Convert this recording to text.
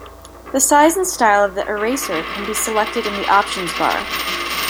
The size and style of the eraser can be selected in the options bar.